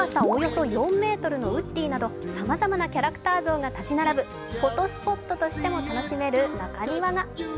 およそ４ｍのウッディなどさまざまなキャラクター像が建ち並ぶフォトスポットとしても楽しめる中庭が。